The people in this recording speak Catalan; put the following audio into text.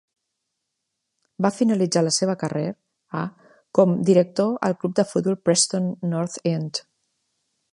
Va finalitzar la seva carrer a com director al club de futbol Preston North End.